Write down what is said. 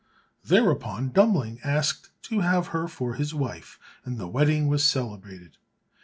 Thereupon Dummling asked to have her for his wife, and the wedding was celebrated.